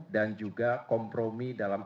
dan juga kompromi dalam